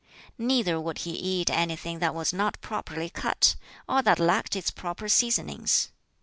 Neither would he eat anything that was not properly cut, or that lacked its proper seasonings.